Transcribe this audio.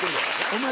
お前